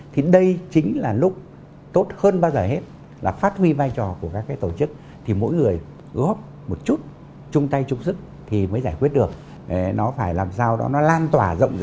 thì đây chính là lúc tốt hơn bao giờ hết là phát huy vai trò của các cái tổ chức thì mỗi người góp một chút chung tay chung sức thì mới giải quyết được nó phải làm sao đó nó lan tỏa rộng ra